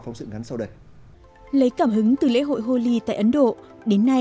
thấy là chú chụp